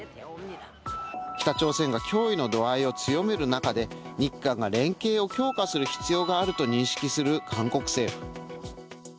北朝鮮が脅威の度合いを強める中で日韓が連携を強化する必要があると認識する韓国政府。